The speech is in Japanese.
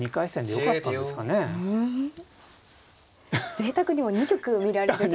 ぜいたくにも２局見られるという。